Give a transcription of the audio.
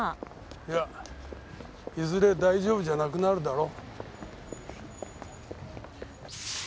いやいずれ大丈夫じゃなくなるだろう。